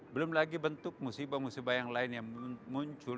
belum lagi bentuk musibah musibah yang lain yang muncul